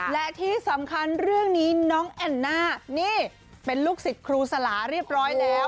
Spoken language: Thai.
และที่สำคัญเรื่องนี้น้องแอนน่านี่เป็นลูกศิษย์ครูสลาเรียบร้อยแล้ว